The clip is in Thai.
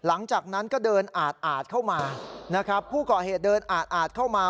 หลังจากนั้นก็เดินอาดอาดเข้ามานะครับผู้ก่อเหตุเดินอาดอาดเข้ามา